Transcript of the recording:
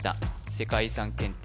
世界遺産検定